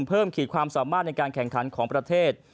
ขีดความสามารถในการแข่งขันของประเทศ